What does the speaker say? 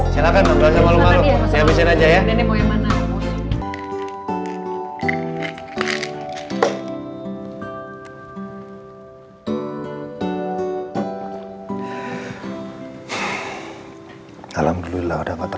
silahkan gak usah malu malu